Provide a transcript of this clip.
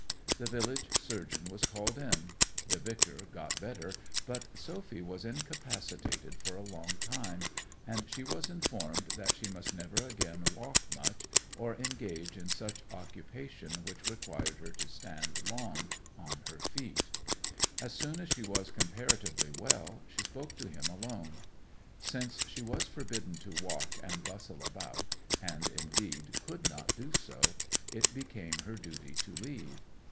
The village surgeon was called in; the vicar got better, but Sophy was incapacitated for a long time; and she was informed that she must never again walk much or engage in any occupation which required her to stand long on her feet. As soon as she was comparatively well she spoke to him alone. Since she was forbidden to walk and bustle about, and, indeed, could not do so, it became her duty to leave.